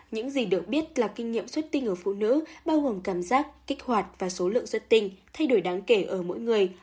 những gì được biết là kinh nghiệm xuất tinh ở phụ nữ bao gồm cảm giác kích hoạt và số lượng xuất tinh thay đổi đáng kể ở mỗi người